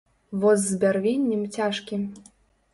Воз з бярвеннем цяжкі.